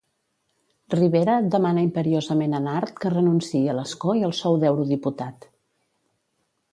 Rivera demana imperiosament a Nart que renunciï a l'escó i al sou d'eurodiputat.